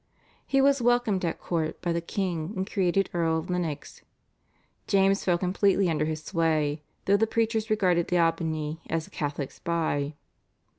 He was welcomed at court by the king and created Earl of Lennox. James fell completely under his sway, though the preachers regarded d'Aubigny as a Catholic spy.